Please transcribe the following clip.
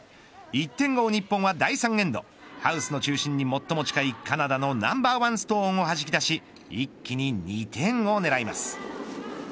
１点を追う日本は第３エンドハウスの中心に最も近いカナダのナンバーワンストーンをはじき出し一気に２点を狙います。